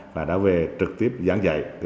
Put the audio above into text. và đã về trực tiếp giảng dạy